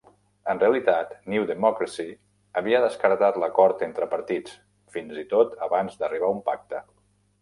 En realitat, New Democracy havia descartat l"acord entre partits, fins-i-tot abans d"arribar a un pacte.